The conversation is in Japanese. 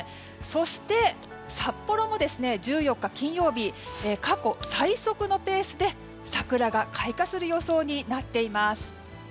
そして、札幌も１４日金曜日過去最速のペースで桜が開花する予想になっています。